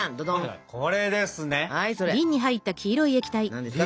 何ですか？